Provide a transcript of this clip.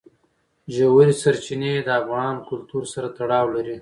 ژورې سرچینې د افغان کلتور سره تړاو لري.